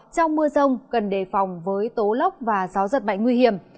trong mưa rông cần đề phòng với tố lốc và gió giật mạnh nguy hiểm